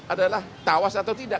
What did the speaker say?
adalah tawas atau tidak